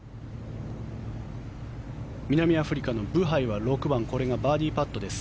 南アフリカのブハイは６番これがバーディーパットです。